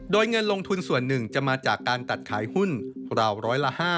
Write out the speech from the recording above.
โดยเงินลงทุนส่วนหนึ่งจะมาจากการตัดขายหุ้นราวร้อยละ๕